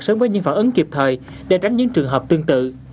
sớm với những phản ứng kịp thời để tránh những trường hợp tương tự